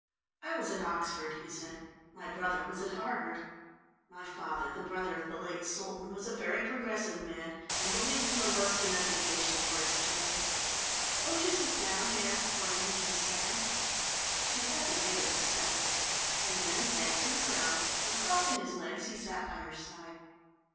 "I was at Oxford," he said. "My brother was at Harvard. My father, the brother of the late Sultan, was a very progressive man and believed in the Western education for his children. Won't you sit down?" he asked, pointing to the sand. She hesitated a second, and then sank to the ground, and crossing his legs he sat by her side.